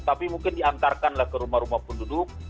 tapi mungkin diantarkanlah ke rumah rumah penduduk